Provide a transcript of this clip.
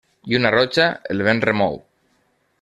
Lluna roja el vent remou.